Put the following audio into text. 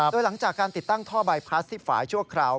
โดยหลังจากการติดตั้งท่อบายพลาสที่ฝ่ายชั่วคราว